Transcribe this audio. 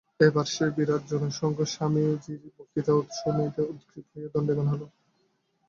এইবার সেই বিরাট জনসঙ্ঘ স্বামীজীর বক্তৃতা শুনিতে উদগ্রীব হইয়া দণ্ডায়মান হইল।